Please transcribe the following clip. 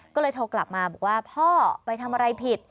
ก็เลยโทรกลับมาบอกว่าพ่อไปทำอะไรผิด